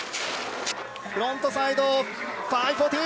フロントサイド５４０。